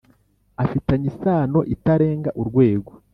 Afitanye isano itarenga urwego